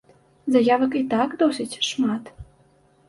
Заявак і так досыць шмат.